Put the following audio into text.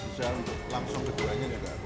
bisa langsung ke jurannya juga boleh silahkan